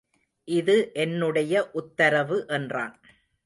இது என்னுடைய உத்தரவு என்றான்.